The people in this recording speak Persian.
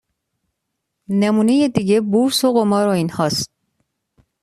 نمونه دیگه بورس و قمار و اینها است.